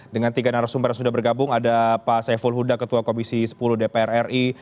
dengan tiga narasumber yang sudah bergabung ada pak saiful huda ketua komisi sepuluh dpr ri